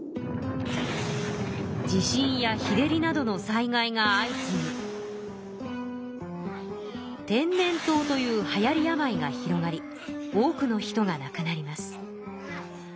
地震や日照りなどの災害が相次ぎてんねんとうというはやり病が広がり多くの人がなくなります。